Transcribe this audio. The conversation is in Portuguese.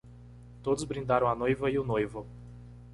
Todos brindaram a noiva e o noivo.